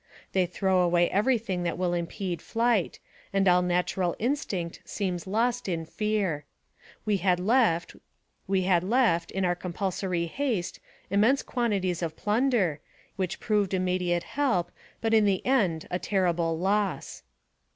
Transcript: They throw away every thing that will impede flight, and all natural instinct seems lost in fear. We had left, in our compulsory haste, immense quantities of plunder, even lodges standing, which proved imme diate help, but in the end a terrible loss.